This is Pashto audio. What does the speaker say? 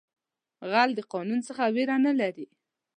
غل د قانون څخه ویره نه لري